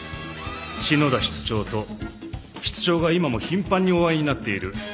篠田室長と室長が今も頻繁にお会いになっているＳＯＮＯＭＩＹＡ